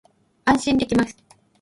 安心できます